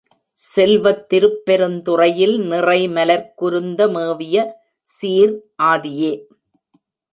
செல்வத் திருப்பெருந்துறையில் நிறைமலர்க் குருந்த மேவியசீர் ஆதியே!